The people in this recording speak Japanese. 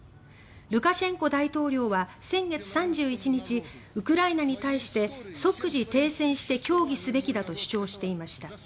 ルカシェンコ大統領は先月３１日ウクライナに対して即時停戦して協議すべきだと主張していました。